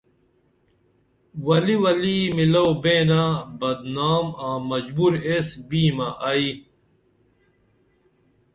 ولی ولی مِلو بینہ بدنام آں مجبور ایس بیمہ ائی